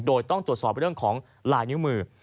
โดยต้องตรวจสอบเรื่องของลายนิ้วมือ